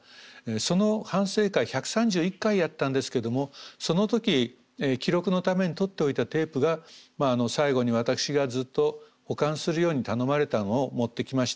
その反省会１３１回やったんですけどもその時記録のためにとっておいたテープが最後に私がずっと保管するように頼まれたのを持ってきました。